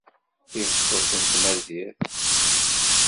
Tibṣelt n tmazirt.